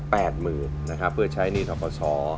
เพื่อใช้หนี้ทะพส๖๐๐๐๐